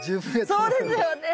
そうですよね。